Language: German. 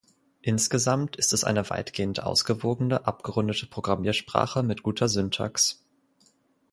Insgesamt ist es eine weitgehend ausgewogene, abgerundete Programmiersprache mit guter Syntax.